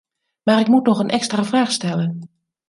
Maar ik moet nog een extra vraag stellen.